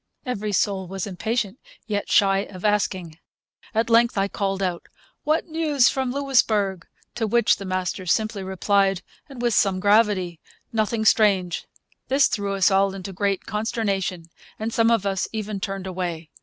Every soul was impatient, yet shy of asking. At length I called out, 'What news from Louisbourg?' To which the master simply replied, and with some gravity, 'Nothing strange.' This threw us all into great consternation, and some of us even turned away.